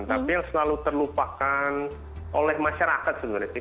tapi selalu terlupakan oleh masyarakat sebenarnya